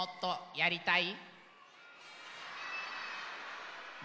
やりたい！